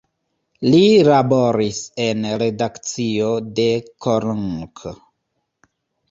Li laboris en redakcio de "Korunk".